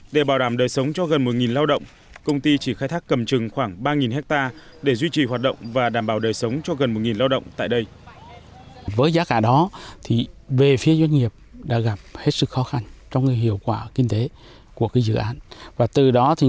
để bảo đảm đời sống cho gần một lao động công ty chỉ khai thác cầm trừng khoảng ba hectare để duy trì hoạt động và đảm bảo đời sống cho gần một lao động tại đây